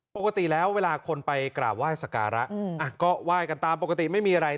ปกติแล้วเวลาคนไปกราบไหว้สการะก็ไหว้กันตามปกติไม่มีอะไร